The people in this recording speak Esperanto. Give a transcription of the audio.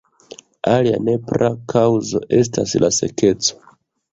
Alia nepra kaŭzo estas la sekeco.